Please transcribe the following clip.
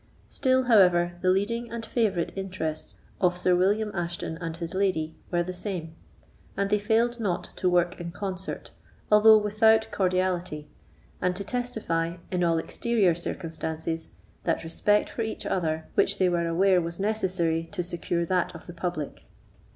Still, however, the leading and favourite interests of Sir William Ashton and his lady were the same, and they failed not to work in concert, although without cordiality, and to testify, in all exterior circumstances, that respect for each other which they were aware was necessary to secure that of the public.